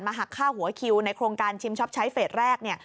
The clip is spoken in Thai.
มาหักข้าวหัวคิวในโครงการชิมช็อปชัยเฟสแรก